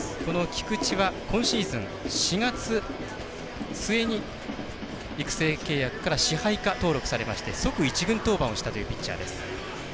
菊地は今シーズン４月末に育成契約から支配下登録されまして即１軍登板をしたというピッチャーです。